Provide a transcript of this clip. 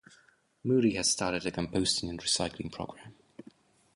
Moody has started a composting and recycling program.